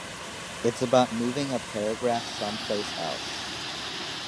It’s about moving a paragraph someplace else.